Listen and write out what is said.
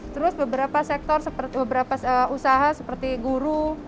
terus beberapa sektor beberapa usaha seperti guru